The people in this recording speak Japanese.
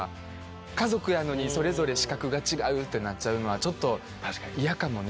家族やのにそれぞれ資格が違うってなっちゃうのはちょっと嫌かもね